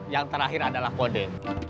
yang terakhir adalah kode